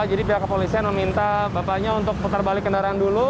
jadi pihak kepolisian meminta bapaknya untuk putar balik kendaraan dulu